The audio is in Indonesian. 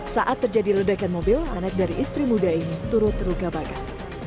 saat terjadi ledakan mobil anak dari istri muda ini turut terluka bakar